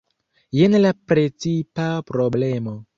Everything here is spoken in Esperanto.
Jen la precipa problemo.